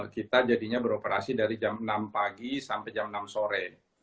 kita jadinya beroperasi dari jam enam pagi sampai jam enam sore